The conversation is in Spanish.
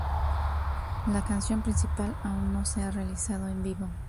La canción principal aún no se ha realizado en vivo.